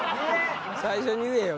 最初に言えよ！